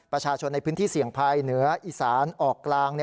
ประชาชนในพื้นที่เสี่ยงภัยเหนืออีสานออกกลาง